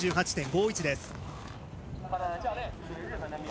４８．５１です。